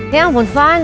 ya ampun van